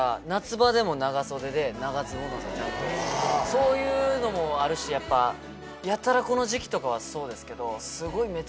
そういうのもあるしやっぱやたらこの時期とかはそうですけどすごい。